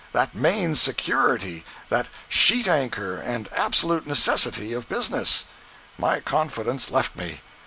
_—that main security, that sheet anchor, that absolute necessity, of business. My confidence left me.